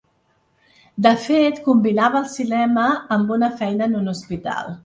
De fet, combinava el cinema amb una feina en un hospital.